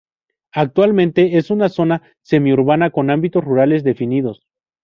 Actualmente es una zona semi urbana con ámbitos rurales definidos.